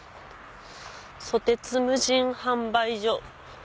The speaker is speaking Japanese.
「ソテツ無人販売所」。